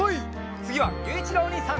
つぎはゆういちろうおにいさん！